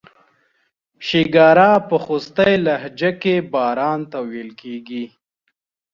شیګیره په خوستی لهجه کې باران ته ویل کیږي.